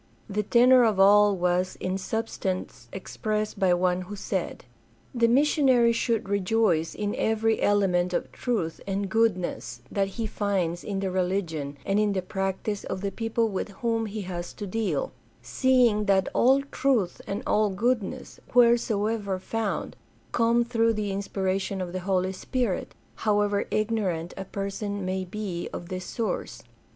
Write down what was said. The tenor of all was in substance expressed by one who said: THE DEVELOPMENT OF MODERN CHRISTIANITY 477 The missionary should rejoice in every element of truth and goodness that he finds in the religion and in the practice of the people with whom he has to deal, seeing that all truth and all goodness, wheresoever found, come through the inspiration of the Holy Spirit, however ignorant a per son may be of this source.